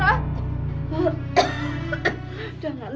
jangan cemas marni